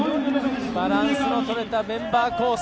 バランスのとれたメンバー構成。